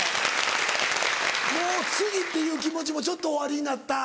もう次っていう気持ちもちょっとおありになった？